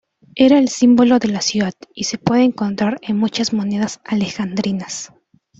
Era el símbolo de la ciudad y se puede encontrar en muchas monedas alejandrinas.